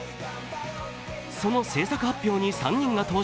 その制作発表に３人が登場。